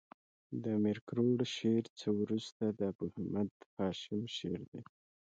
د امیر کروړ شعر څخه ورسته د ابو محمد هاشم شعر دﺉ.